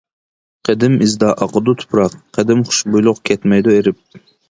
قەدىم ئىزدا ئاقىدۇ تۇپراق، قەدىم خۇشبۇيلۇق كەتمەيدۇ ئېرىپ.